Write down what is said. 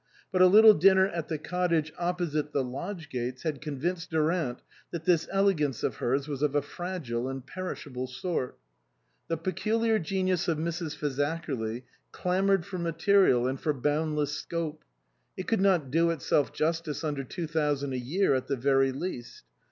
But a little dinner at the cottage opposite the lodge gates had convinced Durant that this elegance of hers was of a fragile and perishable sort. The peculiar genius of Mrs. Fazakerly clamoured for material and for boundless scope. It could not do itself justice under two thousand a year at the very least.